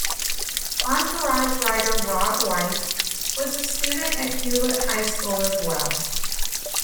"Entourage" writer Rob Weiss was a student at Hewlett High School as well.